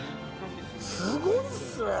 すごいっすねぇ。